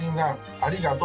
ありがとう！